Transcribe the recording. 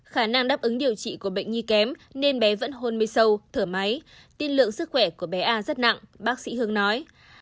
khả năng đáp ứng điều trị của bệnh nhi kém nên bé vẫn hôn mê sâu thở máy tiên lượng sức khỏe của bé a rất nặng bác sĩ hương nói